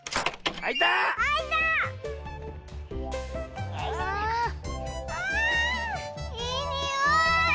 あいいにおい！